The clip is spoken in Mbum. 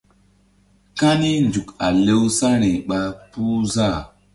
Kani nzuk a lewsa̧ri ɓa puh záh.